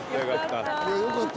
よかった。